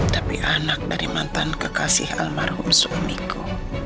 tapi anak dari mantan kekasih almarhum suamiku